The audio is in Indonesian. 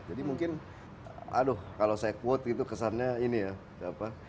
jadi mungkin aduh kalau saya quote gitu kesannya ini ya